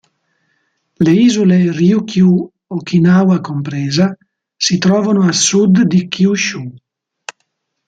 Le isole Ryūkyū, Okinawa compresa, si trovano a sud di Kyūshū.